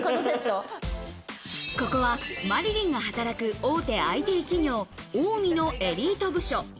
ここは麻理鈴が働く大手ＩＴ企業・オウミのエリート部署。